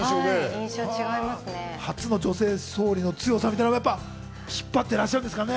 初の女性総理の強さみたいなもの、引っ張ってらっしゃるんですかね。